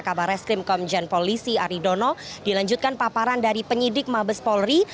kabar reskrim komjen polisi aridono dilanjutkan paparan dari penyidik mabes polri